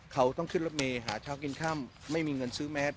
เขาต้องขึ้นรถเมย์หาเช้ากินค่ำไม่มีเงินซื้อแมส